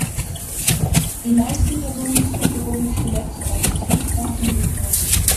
Die meisten Personenzüge wurden zuletzt als Triebwagen gefahren.